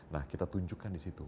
nah kita tunjukkan di situ